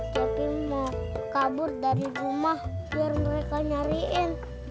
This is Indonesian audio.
joki mau kabur dari rumah biar mereka nyariin